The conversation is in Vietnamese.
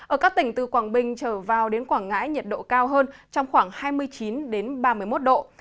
ở các tỉnh từ quảng bình trở vào đến quảng ngãi nhiệt độ cao hơn trong khoảng hai mươi chín ba mươi một độ